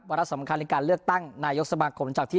ระสำคัญในการเลือกตั้งนายกสมาคมจากที่